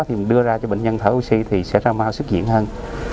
thì mình đưa ra cho bệnh nhân thở oxy thì sẽ ra mau xuất diễn hơn